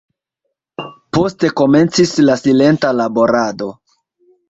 Poste komencis la silenta laborado.